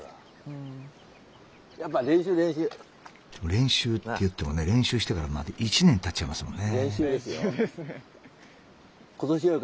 練習っていってもね練習してから１年たっちゃいますもんね。